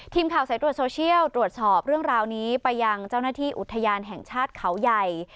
ทีมข่าวสายตรวจโซเชียลตรวจสอบเรื่องราวนี้ไปยังเจ้าหน้าที่อุทยานแห่งชาติเขาใหญ่